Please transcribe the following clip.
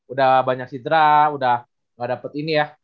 udah banyak sidra udah gak dapet ini ya